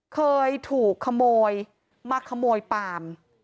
เคยถูกขโมยมาขโมยปาล์ม